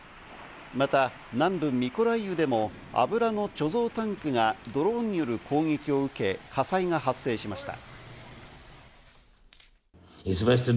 また南部ミコライウでも油の貯蔵タンクがドローンによる攻撃を受け、火災が発生しました。